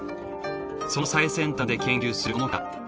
その最先端で研究するこの方。